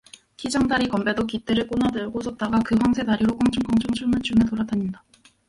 키장다리 건배도 깃대를 꼬나들고 섰다가 그 황새 다리로 껑충껑충 춤을 추며 돌아다닌다.